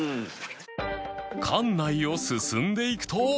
館内を進んでいくと